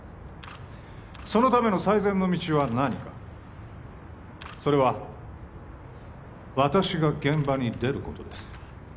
そのための最善の道は何かそれは私が現場に出ることです